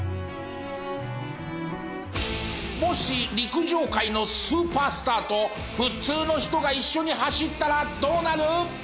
もし陸上界のスーパースターと普通の人が一緒に走ったらどうなる？